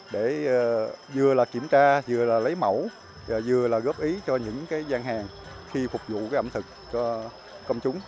để vừa là kiểm tra vừa là lấy mẫu vừa là góp ý cho những gian hàng khi phục vụ ẩm thực cho công chúng